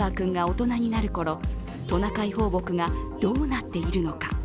トナカイ放牧がどうなっているのか。